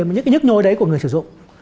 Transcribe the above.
những cái nhức nhối đấy của người sử dụng